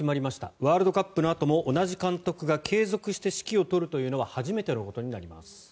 ワールドカップのあとも同じ監督が継続して指揮を執るというのは初めてのことになります。